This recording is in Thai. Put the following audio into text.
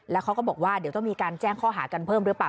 แล้วเขาก็บอกว่าเดี๋ยวต้องมีการแจ้งข้อหากันเพิ่มหรือเปล่า